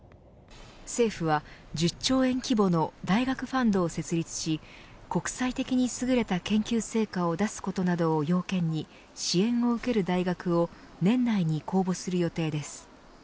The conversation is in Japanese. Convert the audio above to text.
政府は１０兆円規模の大学ファンドを設立し国際的に優れた研究成果を出すことなどを要件に支援を受ける大学を年内に公募する予定です。